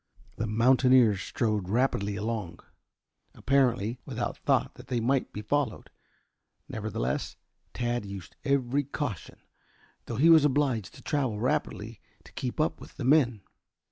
The mountaineers strode rapidly along, apparently without thought that they might be followed. Nevertheless Tad used every caution, though he was obliged to travel rapidly to keep up with the men.